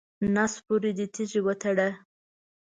نس پورې دې تیږې وتړه.